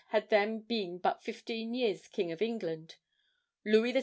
had then been but 15 years King of England, Louis XVI.